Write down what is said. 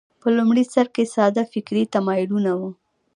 په لومړي سر کې ساده فکري تمایلونه وو